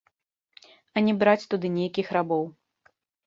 А не браць туды нейкіх рабоў.